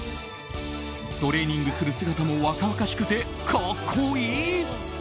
トレーニングする姿も若々しくて格好いい！